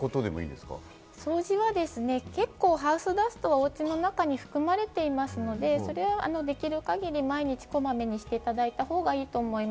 掃除はですね、結構、ハウスダストはおうちの中に含まれていますので、それはできる限り毎日こまめにしていただいた方が良いと思います。